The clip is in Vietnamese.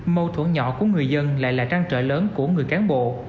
mâu thuẫn nhỏ của người dân lại là trang trở lớn của người cán bộ